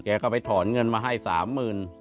ก็ไปถอนเงินมาให้๓๐๐๐บาท